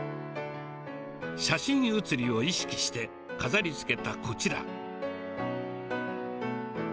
写真写りを意識して、飾りつけたこちら。